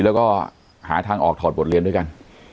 แล้วก็หาทางออกถอดบทเรียนด้วยกัน